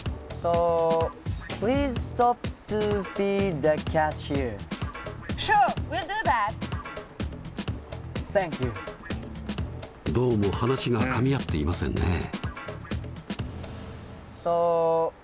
どうも話がかみ合っていませんね。